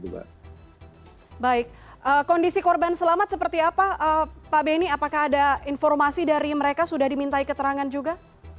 baik kondisi korban selamat seperti apa pak benny apakah ada informasi dari mereka sudah dimintai keterangan juga